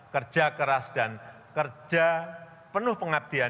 kerja keras dan kerja penuh pengabdian